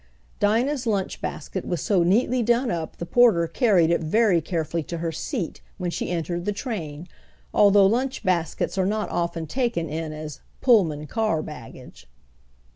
Dinah's lunch basket was so neatly done up the porter carried it very carefully to her seat when she entered the train, although lunch baskets are not often taken in as "Pullman car baggage."